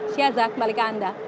siazah kembali ke anda